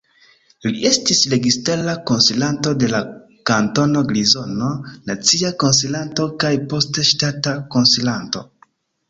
Li estis registara konsilanto de la Kantono Grizono, nacia konsilanto kaj poste ŝtata konsilanto.